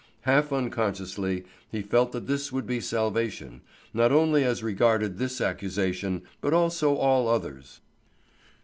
Half unconsciously he felt that this would be salvation, not only as regarded this accusation, but also all others.